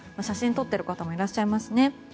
写真を撮っている方もいらっしゃいますね。